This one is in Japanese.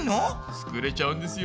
作れちゃうんですよ。